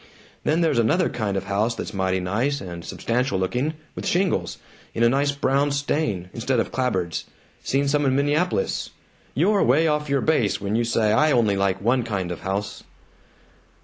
Then there's another kind of house that's mighty nice and substantial looking, with shingles, in a nice brown stain, instead of clapboards seen some in Minneapolis. You're way off your base when you say I only like one kind of house!"